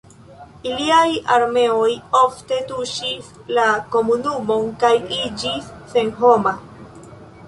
Iliaj armeoj ofte tuŝis la komunumon kaj iĝis senhoma.